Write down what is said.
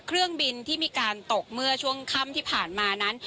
เครื่องบินที่มีการตกเมื่อช่วงค่ำที่ผ่านมานั้น